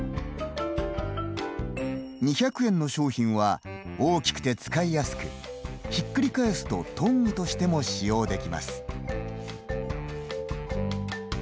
２００円の商品は大きくて使いやすくひっくり返すとトングとしても使用できます。